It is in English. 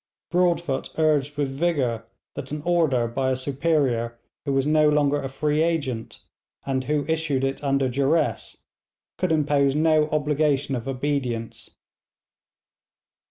Broadfoot urged with vigour that an order by a superior who was no longer a free agent and who issued it under duress, could impose no obligation of obedience.